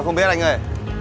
em không biết anh ơi